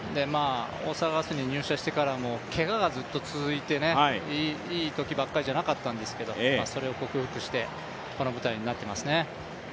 大阪ガスに入社してからもけががずっと続いて、良いときばっかりじゃなかったんですけどそれを克服してこの舞台に立っていますね。